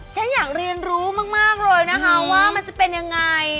ฉันอยากเรียนรู้มากเลยนะคะว่ามันจะเป็นยังไง